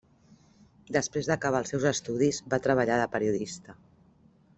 Després d'acabar els seus estudis, va treballar de periodista.